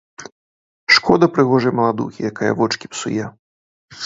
Шкода прыгожай маладухі, якая вочкі псуе.